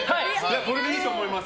これでいいと思います。